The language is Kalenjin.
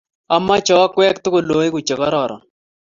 amoche okwek tugul oeku che kororon.